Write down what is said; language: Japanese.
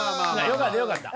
よかったよかった。